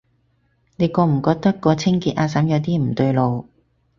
你覺唔覺個清潔阿嬸有啲唔對路？